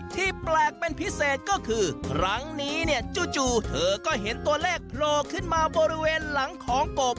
ที่แปลกเป็นพิเศษก็คือครั้งนี้เนี่ยจู่เธอก็เห็นตัวเลขโผล่ขึ้นมาบริเวณหลังของกบ